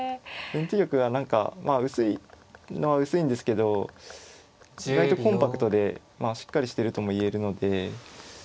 先手玉が何かまあ薄いのは薄いんですけど意外とコンパクトでまあしっかりしてるとも言えるので。